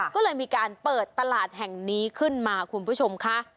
ก็เลยมีการเปิดตลาดแห่งนี้ขึ้นมาคุณผู้ชมค่ะ